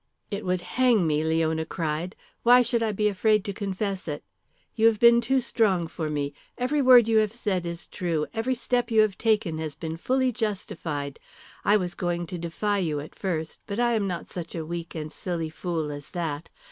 "It would hang me," Leona cried. "Why should I be afraid to confess it? You have been too strong for me. Every word you have said is true, every step you have taken has been fully justified. I was going to defy you at first, but I am not such a weak and silly fool as that.